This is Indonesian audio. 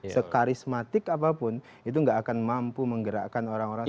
sekarismatik apapun itu tidak akan mampu menggerakkan orang orang sebanyak itu